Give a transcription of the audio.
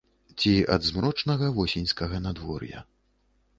Ці ад змрочнага восеньскага надвор'я.